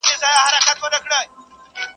یوه ورځ عطار د ښار د باندي تللی.